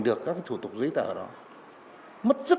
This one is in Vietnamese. đỡ phải cái việc đó